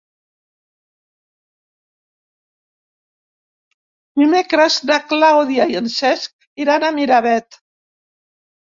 Dimecres na Clàudia i en Cesc iran a Miravet.